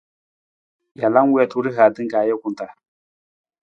Jalaa wiitu rihaata ka ajuku taa.